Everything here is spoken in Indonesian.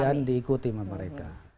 dan diikuti sama mereka